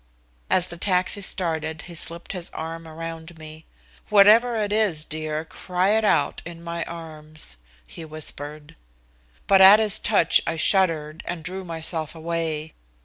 As the taxi started, he slipped his arm around me. "Whatever it is, dear, cry it out in my arms," he whispered. But at his touch I shuddered, and drew myself away.